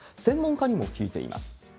専門家にも聞いています。